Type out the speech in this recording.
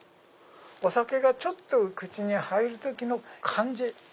お酒がちょっと口に入る時の感じ。